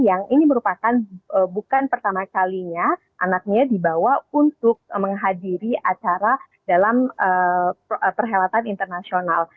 yang ini merupakan bukan pertama kalinya anaknya dibawa untuk menghadiri acara dalam perhelatan internasional